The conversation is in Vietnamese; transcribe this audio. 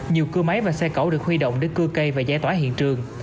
nhiều cưa máy và xe cẩu được huy động để cưa cây và giải tỏa hiện trường